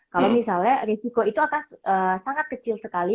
kalau misalnya risiko itu akan sangat kecil sekali